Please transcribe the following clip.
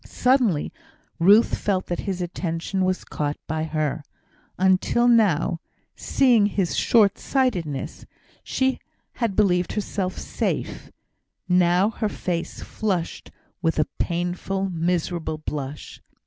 Suddenly Ruth felt that his attention was caught by her. Until now, seeing his short sightedness, she had believed herself safe; now her face flushed with a painful, miserable blush.